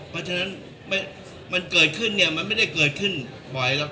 เพราะฉะนั้นมันเกิดขึ้นเนี่ยมันไม่ได้เกิดขึ้นบ่อยหรอก